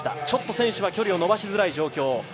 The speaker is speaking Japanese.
ちょっと選手は距離を伸ばしづらい状況。